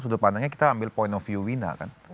sudut pandangnya kita ambil point of view vina kan